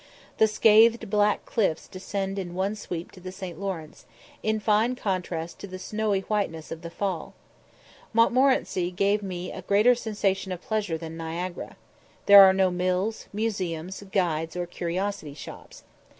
The scathed black cliffs descend in one sweep to the St. Lawrence, in fine contrast to the snowy whiteness of the fall. Montmorenci gave me greater sensations of pleasure than Niagara. There are no mills, museums, guides, or curiosity shops.